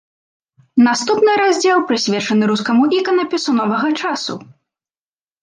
Наступны раздзел прысвечаны рускаму іканапісу новага часу.